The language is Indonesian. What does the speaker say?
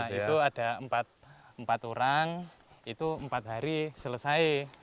nah itu ada empat orang itu empat hari selesai